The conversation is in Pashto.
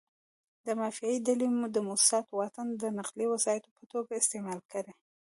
مافیایي ډلې مو د سیاسي واټ د نقلیه وسایطو په توګه استعمال کړي.